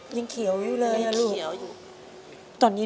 ยังเขียวอยู่เลยลูก